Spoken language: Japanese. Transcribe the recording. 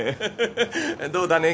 どうだね？